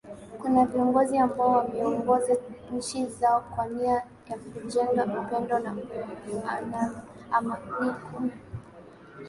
Kuna viongozi ambao wameongoza nchi zao kwa nia ya kujenga upendo na amanikuna